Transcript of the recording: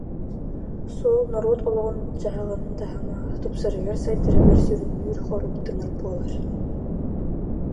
Суол норуот олоҕун-дьаһаҕын таһыма тупсарыгар, сайдарыгар сүрүннүүр хорук тымыр буолар